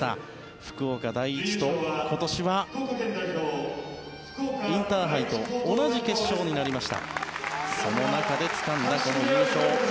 福岡第一と今年はインターハイと同じ決勝になりました。